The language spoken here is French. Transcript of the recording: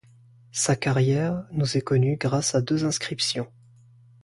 Sa carrière nous est connue grâce à deux inscriptions.